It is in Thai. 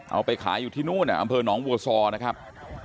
เอาไปขายอยู่ที่นู่นอำเภอหนองบัวซอนะครับ